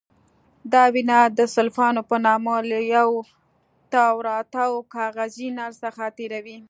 دا وینه د سلوفان په نامه له یو تاوراتاو کاغذي نل څخه تېروي.